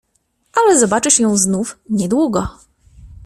"Ale zobaczysz ją znów niedługo."